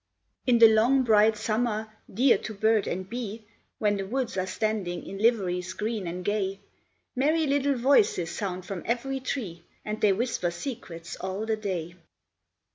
In the long, bright summer, dear to bird and bee, When the woods are standing in liveries green and gay, Merry little voices sound from every tree, And they whisper secrets all the day.